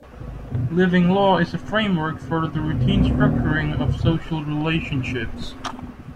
Living law is a framework for the routine structuring of social relationships.